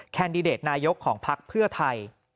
แดดิเดตนายกของพักเพื่อไทย